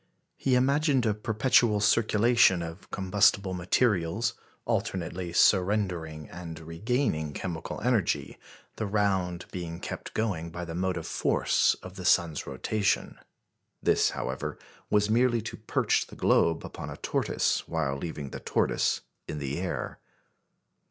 He imagined a perpetual circulation of combustible materials, alternately surrendering and regaining chemical energy, the round being kept going by the motive force of the sun's rotation. This, however, was merely to perch the globe upon a tortoise, while leaving the tortoise in the air.